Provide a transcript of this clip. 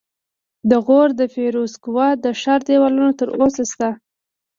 د غور د فیروزکوه د ښار دیوالونه تر اوسه شته